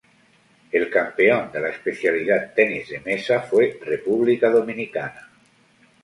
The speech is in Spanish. El campeón de la especialidad Tenis de mesa fue República Dominicana.